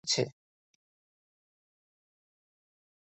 সমগ্র ভারতেই তার বহু ছাত্র রয়েছে।